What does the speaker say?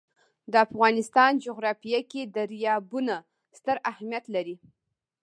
د افغانستان جغرافیه کې دریابونه ستر اهمیت لري.